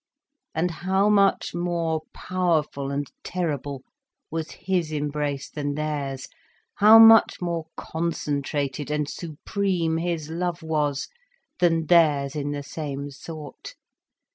And how much more powerful and terrible was his embrace than theirs, how much more concentrated and supreme his love was, than theirs in the same sort!